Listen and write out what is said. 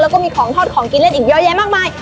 แล้วก็มีของทอดของกินเล่นอีกเยอะแยะมากมาย